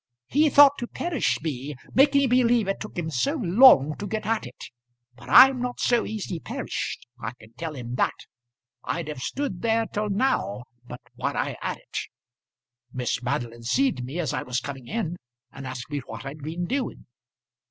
"He thought to perish me, making believe it took him so long to get at it; but I'm not so easy perished; I can tell him that! I'd have stood there till now but what I had it. Miss Madeline see'd me as I was coming in, and asked me what I'd been doing."